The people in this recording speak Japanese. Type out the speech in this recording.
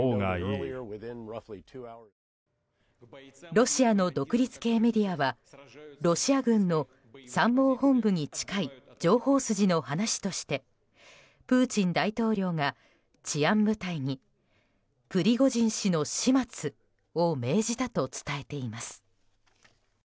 ロシアの独立系メディアはロシア軍の参謀本部に近い情報筋の話としてプーチン大統領が治安部隊にプリゴジン氏の始末を命じたと伝えています。